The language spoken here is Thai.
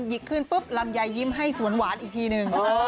กลับหยิกคืนลำยายยิ้มให้สวนหวานอีกทีนึง